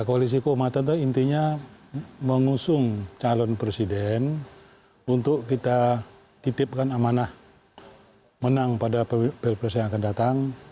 koalisi keumatan itu intinya mengusung calon presiden untuk kita titipkan amanah menang pada pilpres yang akan datang